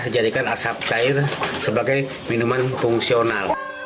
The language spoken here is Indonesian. jadikan asap cair sebagai minuman fungsional